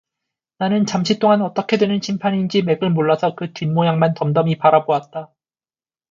나는 잠시 동안 어떻게 되는 심판인지 맥을 몰라서 그 뒷모양만 덤덤히 바라보았다.